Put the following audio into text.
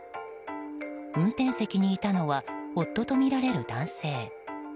運転席にいたのは夫とみられる男性。